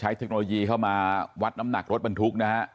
เทคโนโลยีเข้ามาวัดน้ำหนักรถบรรทุกนะฮะ